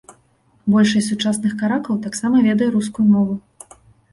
Большасць сучасных каракаў таксама ведае рускую мову.